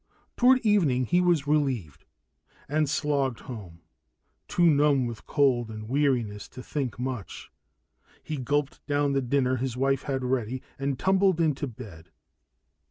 Toward evening, he was relieved and slogged home, too numb with cold and weariness to think much. He gulped down the dinner his wife had ready and tumbled into bed.